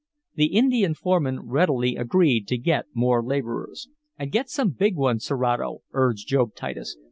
The Indian foreman readily agreed to get more laborers. "And get some big ones, Serato," urged Job Titus.